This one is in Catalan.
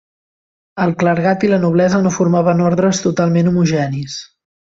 El clergat i la noblesa no formaven ordres totalment homogenis.